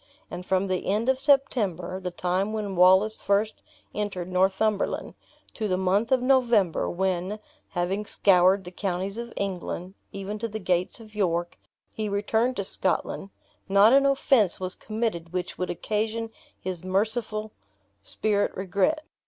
And from the end of September (the time when Wallace first entered Northumberland), to the month of November, when (having scoured the counties of England, even to the gates of York) he returned to Scotland, not an offense was committed which could occasion his merciful spirit regret.